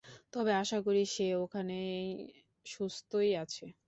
তবে আশা করি সে ওখানে সুস্থই আছে।